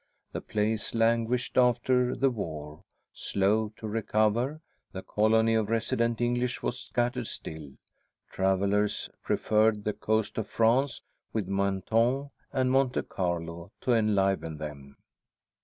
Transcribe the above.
The place languished after the war, slow to recover; the colony of resident English was scattered still; travellers preferred the coast of France with Mentone and Monte Carlo to enliven them.